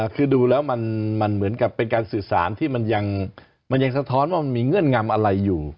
คือดูแล้วมันเหมือนกับเป็นการสื่อสารที่มันยังสะท้อนว่ามันมีเงื่อนงำอะไรอยู่